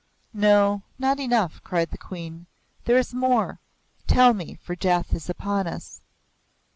"No, not enough!" cried the Queen. "There is more. Tell me, for death is upon us."